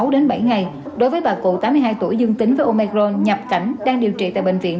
sáu đến bảy ngày đối với bà cụ tám mươi hai tuổi dương tính với omecron nhập cảnh đang điều trị tại bệnh viện